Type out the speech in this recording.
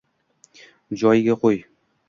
Joyiga qo‘y!”